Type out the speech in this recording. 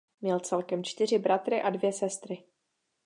Měl celkem čtyři bratry a dvě sestry.